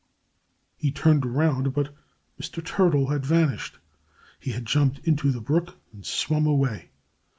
He turned around. But Mr. Turtle had vanished. He had jumped into the brook and swum away.